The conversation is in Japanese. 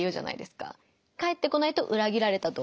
かえってこないと裏切られたと思う。